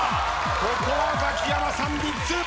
ここはザキヤマさん３つ。